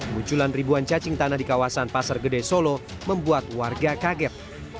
munculan ribuan cacing tanah di kawasan pasar gede solo membuat warga kaget